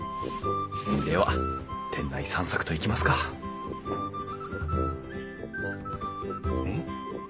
では店内散策といきますかん？